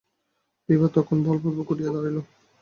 বিভা তখন বলপূর্বক উঠিয়া দাঁড়াইল।